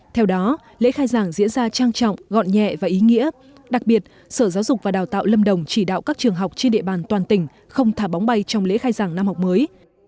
theo đó lễ khai giảng diễn ra trang trọng gọn nhẹ và ý nghĩa đặc biệt sở giáo dục và đào tạo lâm đồng chỉ đạo các trường học trên địa bàn toàn tỉnh không thả bóng bay trong lễ khai giảng năm học mới